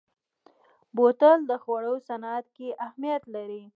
بوتل د خوړو صنعت کې اهمیت لري.